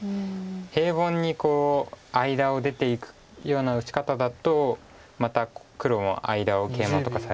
平凡に間を出ていくような打ち方だとまた黒も間をケイマとかされて。